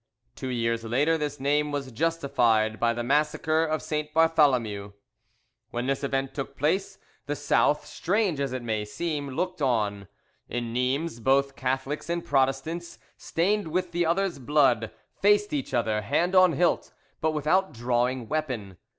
Two years later this name was justified by the Massacre of St. Bartholomew. When this event took place, the South, strange as it may seem, looked on: in Nimes both Catholics and Protestants, stained with the other's blood, faced each other, hand on hilt, but without drawing weapon.